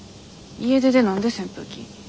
家出で何で扇風機？